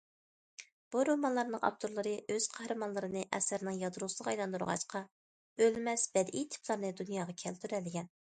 بۇ رومانلارنىڭ ئاپتورلىرى ئۆز قەھرىمانلىرىنى ئەسەرنىڭ يادروسىغا ئايلاندۇرغاچقا، ئۆلمەس بەدىئىي تىپلارنى دۇنياغا كەلتۈرەلىگەن.